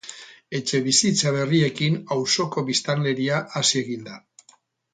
Etxebizitza berriekin, auzoko biztanleria hazi egin da.